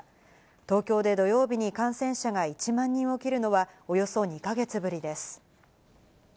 東京で土曜日に感染者が１万人を切るのはおよそ２か月ぶりです。